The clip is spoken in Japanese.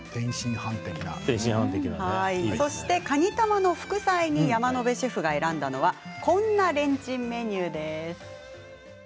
かにたまの副菜に山野辺シェフが選んだのはこんなレンチンメニューです。